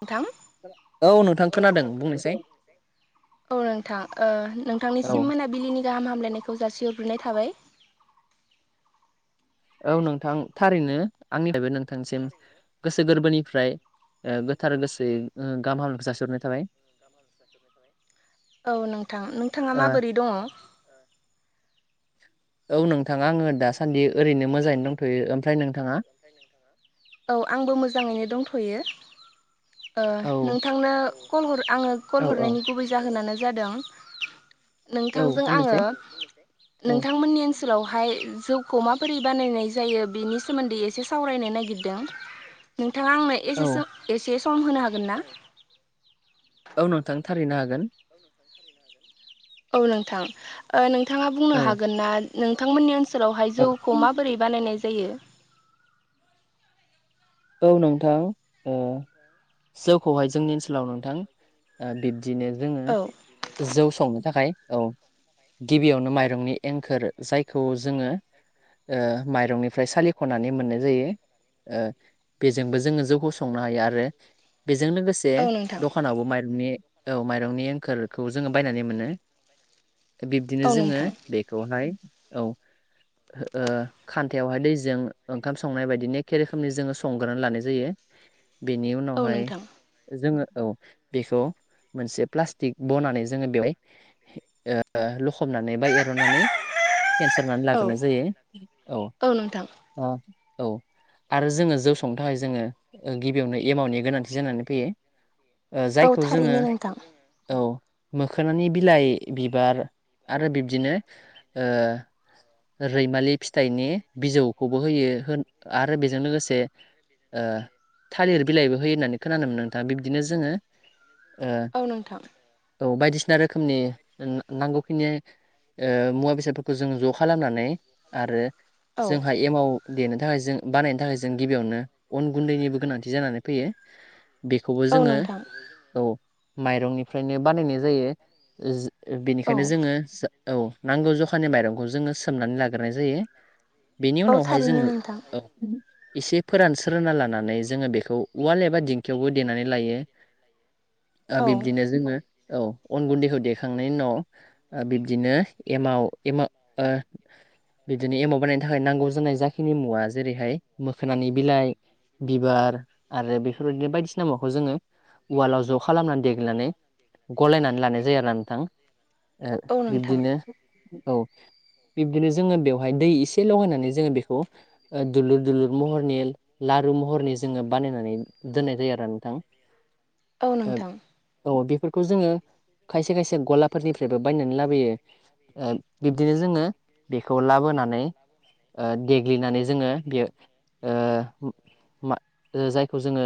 नोंथां औ नोंथां खोनादों बुंनोसै। औ नोंथां ओ औ नोंथांनिसिम मोनाबिलिनि गाहाम हामलायनायखौ जासिहरग्रोनाय थाबाय। औ नोंथां थारैनो आंनिफ्राय नोंथांसिम गोसो गोरबोनिफ्राय ओ गोथार गोसोयै गाहाम हामलायनायखौ जासिहरनाय थाबाय औ नोंथां नोंथाङा ओ माबोरै दङ औ नोंथाङा आङो दासान्दि ओरैनो मोजाङैनो दंथ'यो ओमफ्राय नोंथाङा औ आंबो मोजाङैनो दंथ'यो ओ औ नोंथांनो कल हर आङो औ कल औ हरनायनि गुबै जाहोनानो जादों औ नोंथांजों आङो बुंनोसै औ नोंथांमोननि ओनसोलावहाय। जौखौ माबोरै बानायनाय जायो बेनि सोमोन्दै एसे सावरायनो नागिरदों नोंथाङा आंनो औ एसेसो एसे सम होनो हागोन ना औ नोंथां थारैनो हागोन गावनोों थां फालिनो हागोन औ नोंथां नोंथाङा औ बुंनो हागोन ना नोंथांमोननि ओनसोलावहाय औ जौखौ मा बोरै बानायनाय जायो औ नोंथां ओ जौखौहाय जोंनि ओनसोलाव नोंथां ओ बि बिदिनो जोङो औ जौ संनो थाखाय औ गिबियावनो माइरंनि एंखोर जायखौ जोङो ओ माइरंनिफ्राय सालिख'नानै मोननाय जायो ओ बेजोंबो जोङो जौखौ संनो हायो आरो बेजों लोगोसे औ नोंथां दख खानावबो माइरंनि औ माइरंनि एंखोरखौ जोङो बायनानै मोनो बिब्दिनो औ जोङो नोंथां बेखौहाय औ ओ खान्थावहाय दैजों ओंखाम संनाय बायदि एखे रोखोमनि जोङो। संग्रोनानै लानाय जायो बेनि औ उनावहाय नोंथां जोङो औ बेखौ मोनसे प्लास्टिक बनानै जोङो बेवहाय ओ लखबनानै बा एर'नानै फेन्सारनानै औ लाग्रोनाय जायो औ अह औ आरो जोङो जौ संनो थाखाय जोङो गिबियावनो एमाउनि गोनांथि जानानै फैयो ओ औ जायखौ जोङो थारैनो नोंथां औ मोखोनानि बिलाइ बिबार आरो बिब्दिनो ओ रैमालि फिथाइनि बिजौखौबो होयो होन आरो बेजों लोगोसे ओ थालिर बिलाइबो होयो होननानै खोनानो मोनो नोंथां बिब्दिनो जोङो औ नोंथां औ बायदिसिना रोखोमनि नांगौखिनि ओ मुवा बेसादफोरखौ जों ज' खालामनानै आरो औ जोंहा एमाव देनो थाखाय जों बानायनो थाखाय जों गिबियावनो अन गुन्दैनिबो गोनांथि जानानै फैयो बेखौबो औ जोङो। नोंथां औ माइरंनिफ्रायनो बानायनाय जायो औ बेनिखायनो जोङो औ नांगौ जखानि माइरंखौ जोङो सोमनानै लाग्रोनाय जायो। बेनि औ उनावहाय थारैनो जोङो नोंथां औ एसे फोरानस रोना लानानै जोङो बेखौ उवाल एबा दिंखियावबो देनानै लायो ओ औ बिब्दिनो जोङो औ अन गुन्दैखौ देखांनायनि उनाव ओ बिब्दिनो एमाव एमाव ओ बिदिनो एमाव बानायनो थाखाय नांगौ जानाय जाखिनि मुवा जेरैहाय मोखोनानि बिलाइ बिबार आरो बेफोरबायदिनो बायदिसिना माखौ जोङो उवालाव ज' खालामनानै देग्लिनानै गलायनानै लानाय जायो आरोना नोंथां ओ औ नोंथां बिब्दिनो औ बिबदिनो जोङो बेवहाय दै इसे लगायनानै जोङो बेखौ दुलुर दुलुर महरनि लारु महरनि जोङो बानायनानै दोननाय जायो आरो नोंथां। औ नोंथां। औ बिफोरखौ जोङो खायसे खायसे गलाफोरनिफ्रायबो बायनानै लाबोयो ओ बिब्दिनो जोङो बेखौ लाबोनानै देग्लिनानै जोङो बेयो जायखौ जोङो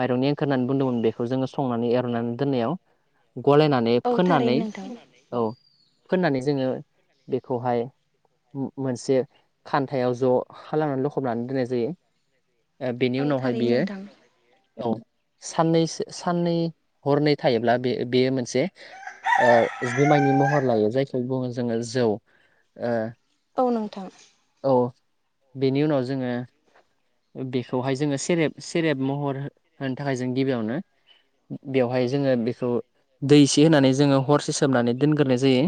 माइरंनि ओंखखार होननानै बुंदोंमोन। बेखौ जोङो संनानै एरनानै दोननायाव गलायनानै औ फोनानै थारैनो नोंथां औ फोननानै जोङो बेखौहाय। मोनसे खान्थायाव ज' लांनानै लखबनानै दोननाय जायो। बेनि औ उनावहाय थारैनो बियो नोंथां औ सानसो साननै हरनै थायोब्ला बे बेयो मोनसे जुमायनि महर लायो जायखौ बुङो जोङो जौ। औ नोंथां। औ बेनि उनाव जोङो बेखौहाय जोङो सेरेब सेरेब महर होनो थाखाय जों गिबियावनो। बेवहाय जोङो बेखौ दै एसे होनानै। जोङो हरसे सोमनानै दोनग्रोनाय जायो।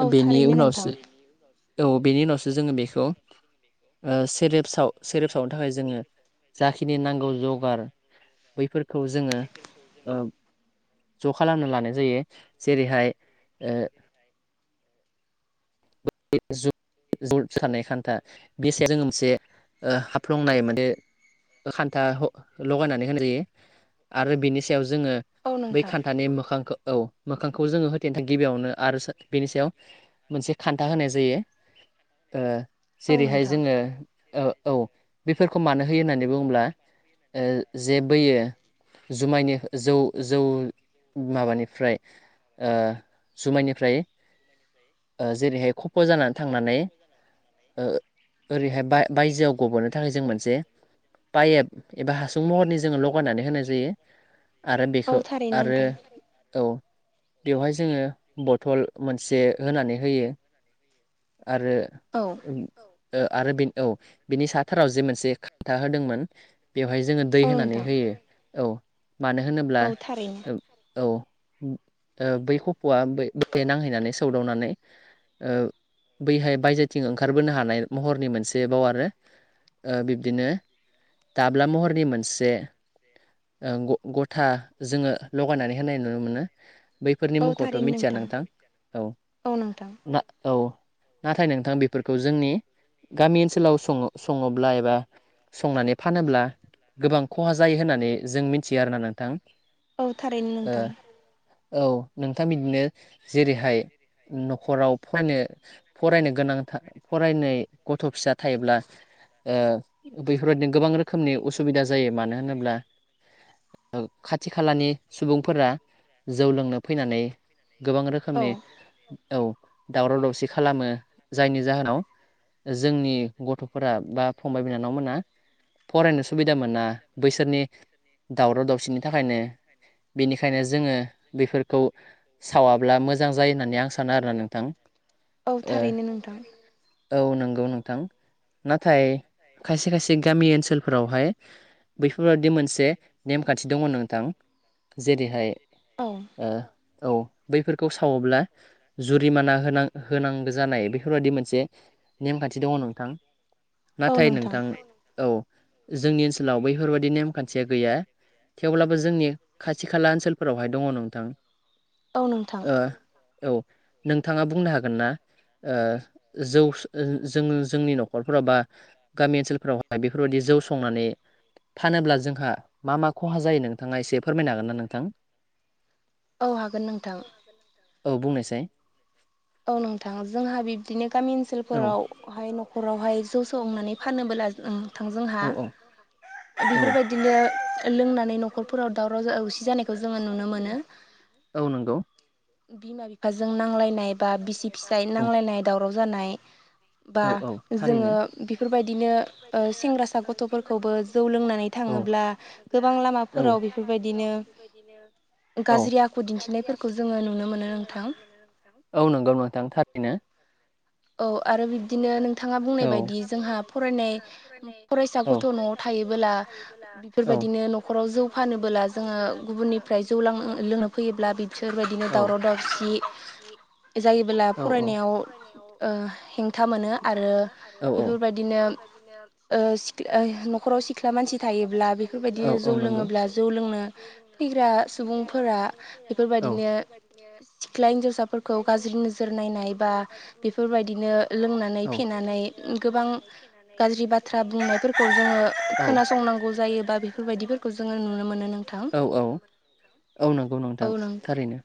औ बेनि थारैनो नोंथां उनावसो औ बेनि उनावसो जोङो बेखौ सेरेप्सआव। सेरेब सावनो थाखाय जोङो जाखिनि नांगौ जगार। बैफोरखौ जोङो ज' खालामना लानाय जायो। जेरैहाय ओ [unintelligible] खान्था बेसाया [unintelligible] मोनसे ओ हाबफ्लंनाय माने खान्था लगायनानै होनाय जायो। आरो बिनि सायाव जोङो औ बै नोंथां खान्थानि मोखांखौ औ। मोखांखौ जोङो होथेनो थाखायां गिबियावनो आरो बेनि सायाव मोनसे। खान्था होनाय जायो। औ जेरैहाय नोंथां जोङो औ औ बेफोरखौ मानो होयो होननानै बुङोब्ला जेबोयो। जुमायनि जौ जौ माबानिफ्राय ओ जुमायनिफ्राय जेरैहाय खफ' जानानै थांनानै ओरैहाय बायजोआव। गब'नो थाखाय जों मोनसे पाइप एबा हासुं महरनि जोङो लगायनानै होनाय जायो। आरो औ बेखौ थारैनो आरो नोंथां औ बेवहाय जोङो बथल मोनसे होनानै होयो आरो औ ओ बे औ बिनि साथाराव जे मोनसे खान्था होदोंमोन बेवहाय जोङो। दै औ होनानै नोंथां होयो औ मानो होनोब्ला। औ थारैनो औ बै खफ'आ बहाय नांहैनानै सौदावनानै। बैहाय बायजोथिं ओंखारबोनो हानाय महरनि मोनसेबाव आरो ओ बिब्दिनो दाब्ला महरनि मोनसे ओ ग गथा जोङो लगायनानै होनाय नुनो मोनो। बैफोरनि औ मुंखौथ' थारैनो मिथिया नोंथां औ। औ नोंथां। औ। नाथाय नोंथां बेफोरखौ जोंनि गामि ओनसोलाव स-सङोब्ला एबा संनानै फानोब्ला गोबां खहा जायो होननानै जों मिथियो आरोना नोंथां। औ थारैनो ओ नोंथां। औ नोंथां। बिदिनो जेरैहाय- न'खराव फरायनो फरायनो गोनां फरायनाय गथ' फिसा थायोब्ला बेफोरबायदिनो गोबां रोखोमनि उसुबिदा जायो। मानो होनोब्ला खाथि खालानि सुबुंफोरा जौ लोंनो फैनानै गोबां औ रोखोमनि औ दावराव-दावसि खालामो जायनि जाहोनाव जोंनि गथ'फोरा बा फंबाय बिनानाव मोना फरायनो सुबिदा मोना। बैसोरनि दावराव-दावसिनि थाखायनो। बेनिखायनो जोङो बेफोरखौ सावाब्ला मोजां जायो होननानै आं सानो आरोना नोंथां औ ओ। थारैनो नोंथां औ नंगौ नोंथां। नाथाय खायसे खायसे गामि ओनसोलफोरावहाय बेैफोरबादि मोनसे नेमखान्थि दङ नोंथां जेरैहाय औ औ बैफोर सावोब्ला जुरिमाना होन होनांगौ जानाय बेफोरबायाददि मोनसे नेमखान्थि दङ नोंथां नाथाय नोंथां औ जोंनि ओनसोलाव बैफोरबायदि नेमखान्थिया गैया। थेवब्लाबो जोंनि खाथि खाला ओनसोलफोरावहाय दङ नोंथां। औ नोंथां औ नोंथाङा बुंनो हागोन ना - ओ जौ जों जोंनि न'खरफोराव बा गामि ओनसोलफोरावहाय बेफोरबायाददि जौ संनानै। फानोब्ला जोंहा मा मा खहा जायो नोंथाङा एसे फोरमायनो हागोन ना नोंथां। औ हागोन नोंथां औ बुंनोसै औ नोंथां जोंहा बिब्दिनो गामि ओनसोलफोरावहाय न'खरावहाय। जौ सनानै फाननोबोला नोंथां जोंहा औ। बेफोरबायदिनो लोंनानै न'खरफोराव दावराव दावसि जानायखौ जोङो नुनो मोनो। औ नंगौ बिमा बिफाजों नांलायनाय बा बिसि फिसाय नांलायनाय दावराव जानाय बा जोङो। बेफोरबायदिनो सेंग्रासा गथ'फोरखौबो जौ लोंनानै थाङोब्ला गोबां लामाफोराव बेफोरबायदिनो गाज्रि आखु दिन्थिनायफोरखौ जोङो नुनो दिन्थिनायफोरखौ मोनो जोङो नोंथां नुनो मोनो नथां औ नंगौ नोंथां थारैनो। औ आरो बिबदिनो नोंथाङा बुंनाय बायदि जोंहा फरायनाय फरायसा औ गथ' न'आव थायो औ बेफोरबायदिनो न'खराव जौ फानबोला जोङो गुबुननिफ्राय जौ लां लोंनो फैयोब्ला बिसोरबायदिनो दावराव दावसि जायोब्ला फरायनायाव ओ हेंथा मोनो आरो बेफोरबाय बिदिनो। बेबायदिनो। न'खराव सिख्ला मानसि थायोब्ला बेफोरबायदिनो जौ लोङोब्ला जौ लोंनो फैग्रा सुबुंफोरा बेफोरबायदिनो सिख्ला हिन्जावसाफोर खौ गाज्रि नोजोर नायनाय बा बेफोरबायदिनो लोंनानै फेनानै गोबां। गाज्रि बाथ्रा बुंनायफोरखौ जोङो खोनासंनांगौ जायोबा बेफोरबायदि औ औ औ नंगौ नोंथां थारैनो।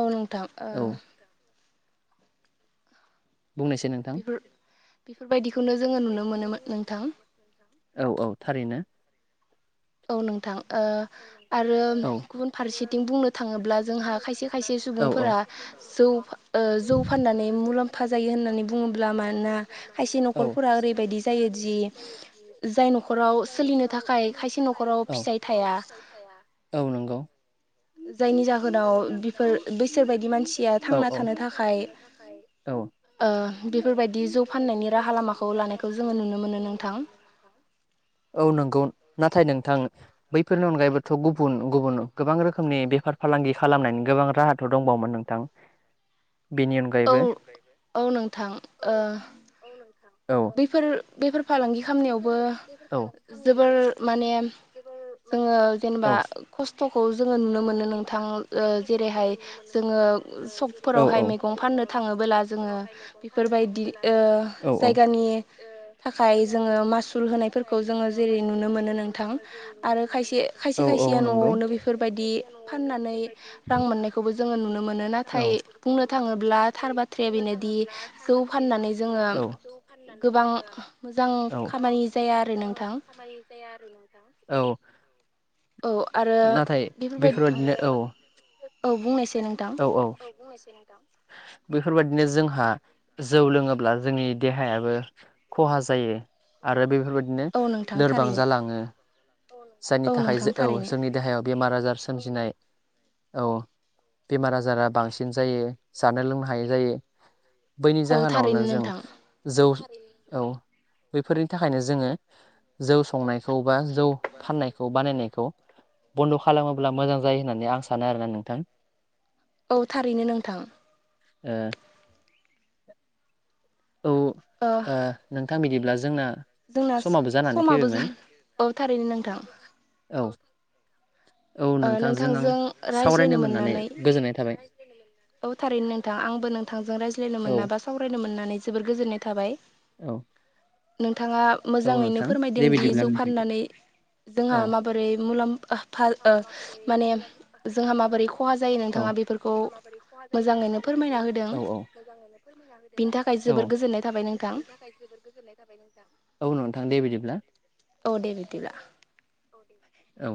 औ नोंथां ओ औ बुंनोसै नों बेफोर बेफोरबायदिखौनो जोङो नुनो मोनोमोन नोंथां औ औ थारैनो औ नोंथां। आरो ओ गुबुन फारसेथिं बुंनो थाङोब्ला जोंहा खायसे-खायसे सुबुंफोरा जौ। ओ जौ फाननानै मुलाम्फा जायो होननानै बुङोब्ला मानोना खायसे न'खरफोरा ओरैबायदि जायोदि जाय न'खराव सोलिनो थाखाय खायसे न'खराव फिसाइ थाया। औ नंगौ जायनि जायनि जाहोनाव बेफोर बैसोरबायदि मानसिया जाहोनाव थांना थानो थाखाय थाखाय बेफोरबायदि जौ फाननायनि राहा लामाखौ लानायखौ जोङो नुनो मोनो नोंथां। औ नंगौ नाथाय नोंथां बैफोरनि अनगायैबोथ' गुबुन-गुबुन गोबां रोखोमनि बेफार फालांगि खालामनायनि गोबां राहाथ' दंबावोमोन नों औ बेनि औ अनगायैबो। औ नोंथां। ओ औ नोंथां। औ। बेफोर बेफोर फालांगि खामनाययावबो जोबोर माने जोङो जेनेबा खस्थ'खौ जोङो नुनो मोनो नोंथां। ओ जेरैहाय जोङो स- गफोरावहाय जों मैगं फाननो थाङोबला जोङो बेफोरबायदि जाय गामि थाखाय जोङो मासुल होनायफोरखौ जोङो जेरै नुनो मोनो नोंथां आरो खायसे ओ खायसे आरो खायसेया न'आवनो बेफोरबाय- दि फाननानै रां मोननायखौबो जों नुनो मोनो। नाथाय बुंनो थाङोब्ला थार बा- थ्राया बेनोदि जौ फाननानै जोङो औ गोबां मोजां औ खामानि जाया आरो नोंथां। औ औ आरो बेफोरबायदि बेफोरबायदिनो औ औ बुंनोयसै नोंथां। औ। बुंनायसाय नोंथां बेफोरबायादिनो जोंहा जौ लोङोब्ला जोंनि देहायाबो खहा जायो आरो बेफोरबायदिनो औ नोंथां लोरबां थारैनो जालाङो। औ जायनि थाखाय नोंथां जे औ थारैनो जोंनि देहायाव बेमार आजार सोमजिनाय। औ बेमार आजारा बांसिन जायो। जानो लोंनो हायै जायो। बैनि औ थारैनो जाहोनावनो जों नोंथां जौ औ बैफोरनि थाखायनो जोङो जौ संनायखौ बा जौ फाननायखौ बानायनायखौ बन्द' खालामोब्ला मोजां जायो होननानै आं सानो आरोना नोंथां। औ थारैनो नोंथां। ओ औ ओ नोंथां बिदिब्ला जोंना जोंना समाबो जानानै समाबो फैबायमोन जा औ थारैनो नोंथां। औ औ नोंथांजों आं सावरायनो मोननानै गोजोननाय थाबाय। औ थारैनो नोंथां आंबो नोंथांजों रायज्लायनो औ मोना बा सावरायनो मोननानै जोबोर गोजोननाय थाबाय। औ नोंथाङा औ मोजाङैनो नोंथां दे फोरमायदों दि बिदिब्ला जौ नोंथां फाननानै जोंहा औ माबोरै मुलामफा ओ माने जोंहा माबोरै खहा जायो नोंथाङा बे- जोंहा माबोरै खहा जायो नोंथाङा बेफोरखौ औ औ मोजाङैनो फोरमायना बिनि थाखाय होदों जोबोर औ गोजोननाय थाबाय नोंथां बनि थाखाय जोबोर गोजोननाय जाबाय नोंथां। औ नोंथां दे बिदिब्ला औ दे बिदिब्ला औ